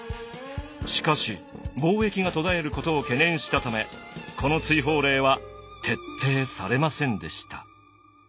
しかし貿易が途絶えることを懸念したためこの追放令は徹底されませんでした。